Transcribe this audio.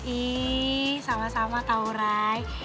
ih sama sama tau ray